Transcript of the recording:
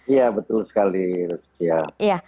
iya betul sekali lucia